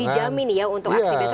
dijamin ya untuk aksi besok